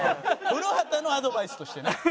『古畑』のアドバイスとしてね。